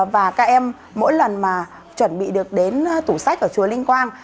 và các em mỗi lần mà chuẩn bị được đến tủ sách ở chùa linh quang